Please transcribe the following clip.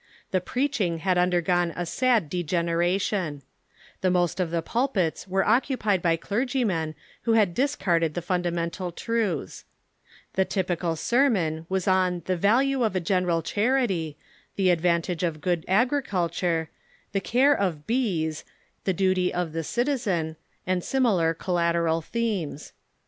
The preaching had undergone a Wrought by sad degeneration. The most of the pulpits Avere a lona ism Q^ g^pjg^j j^y clergymen who had discarded the fun damental truths. The tyi^ical sermon was on the value of a geneial charity, the advantage of good agriculture, the care of bees, the duty of the citizen, and similar collateral themes.